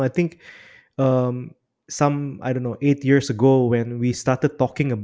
ketika kami mulai berbicara tentang